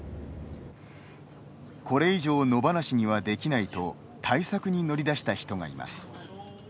これ以上、野放しにはできないと対策に乗り出した人がいます。